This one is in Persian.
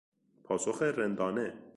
پاسخ رندانه